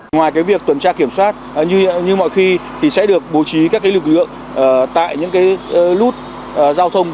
ngoài việc tuần tra kiểm soát như mọi khi sẽ được bố trí các lực lượng tại những nút giao thông